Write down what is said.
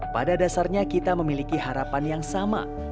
pada dasarnya kita memiliki harapan yang sama